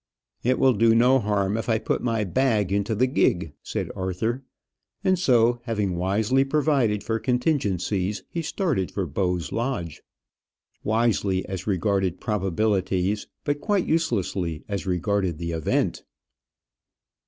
"It will do no harm if I put my bag into the gig," said Arthur; and so, having wisely provided for contingencies, he started for Bowes Lodge. Wisely, as regarded probabilities, but quite uselessly as regarded the event!